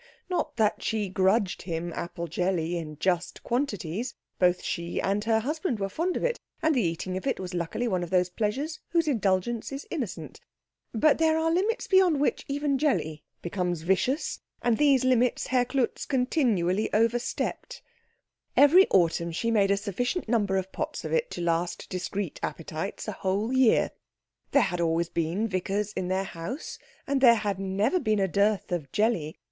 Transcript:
Not that she grudged him apple jelly in just quantities; both she and her husband were fond of it, and the eating of it was luckily one of those pleasures whose indulgence is innocent. But there are limits beyond which even jelly becomes vicious, and these limits Herr Klutz continually overstepped. Every autumn she made a sufficient number of pots of it to last discreet appetites a whole year. There had always been vicars in their house, and there had never been a dearth of jelly.